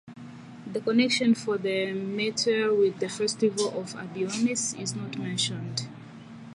The connection of the meteor with the festival of Adonis is not mentioned.